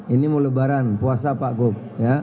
ini mau lebaran puasa pak gup